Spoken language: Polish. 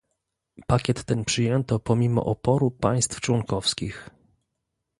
Pakiet ten przyjęto pomimo oporu państw członkowskich